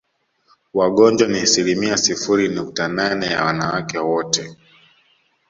Wagonjwa ni asilimia sifuri nukta nane ya wanawake wote